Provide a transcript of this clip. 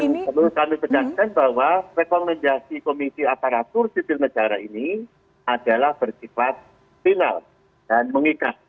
dan kami perhatikan bahwa rekomendasi komisi ataratur sipil mejara ini adalah berkifat final dan mengikat